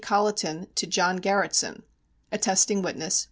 COLLITON to BROWNE, JOHN GARRETSON attesting witness.